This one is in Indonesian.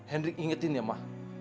hendrik ingetin ya ma